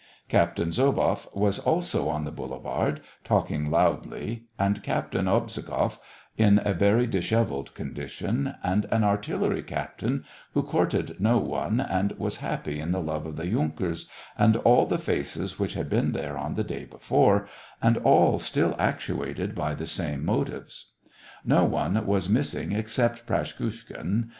Captain Zoboff was also on the boule vard, talking loudly, and Captain Obzhogoff, in a very dishevelled condition, and an artillery captain, who courted no one, and was happy in the love of the yunkers, and all the faces which had been there on the day before, and all still actuated by the same motives. No one was missing except Praskukhin